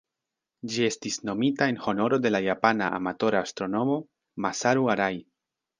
Ĝi estis nomita en honoro de la japana amatora astronomo Masaru Arai.